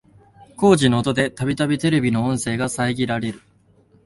工事の音でたびたびテレビの音声が遮られる